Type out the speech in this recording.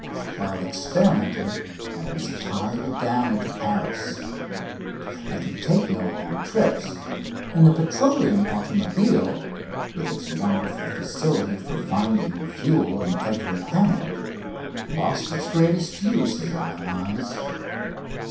While experimenting I was tied down to Paris. I could take no long trips, and the petroleum automobile, with its wonderful facility for finding fuel in every hamlet, lost its greatest use in my eyes.